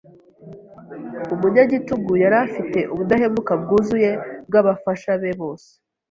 Umunyagitugu yari afite ubudahemuka bwuzuye bw'abafasha be bose.